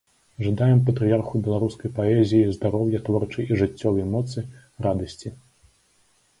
Жадаем патрыярху беларускай паэзіі здароўя, творчай і жыццёвай моцы, радасці.